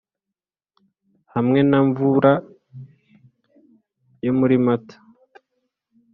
hamwe na mvura yo muri mata